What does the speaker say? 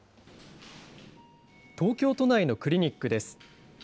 東京都内のクリニックです。